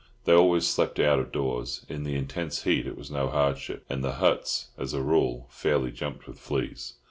They always slept out of doors. In the intense heat it was no hardship, and the huts, as a rule, fairly jumped with fleas.